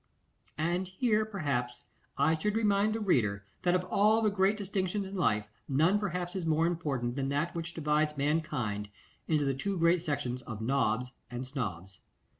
And here, perhaps, I should remind the reader, that of all the great distinctions in life none perhaps is more important than that which divides mankind into the two great sections of NOBS and SNOBS.